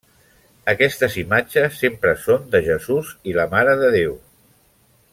Aquestes imatges sempre són de Jesús i la Mare de Déu.